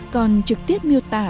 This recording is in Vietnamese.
còn trực tiếp miêu tả